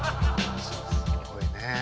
すごいねえ。